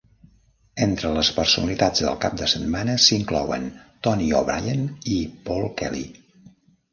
Entre les personalitats del cap de setmana s'inclouen Tony O'Brien i Paul Kelly.